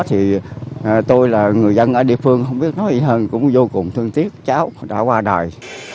thì tôi là người dân ở địa phương không biết nói gì hơn cũng vô cùng thương tiếc cháu đã qua đời